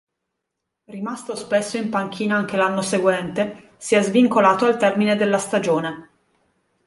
Rimasto spesso in panchina anche l'anno seguente, si è svincolato al termine della stagione.